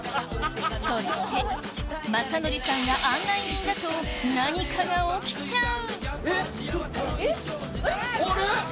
そしてまさのりさんが案内人だと何かが起きちゃう！